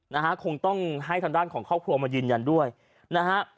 นะฮะคงต้องให้ทางด้านของครอบครัวมายืนยันด้วยนะฮะ